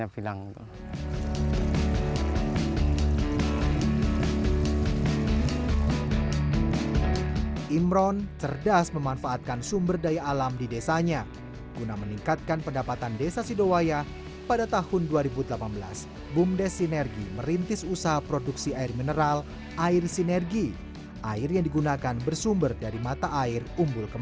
biasanya tanahnya lengket jadi gembur